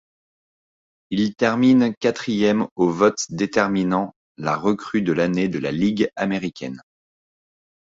Il termine quatrième au vote déterminant la recrue de l'année de la Ligue américaine.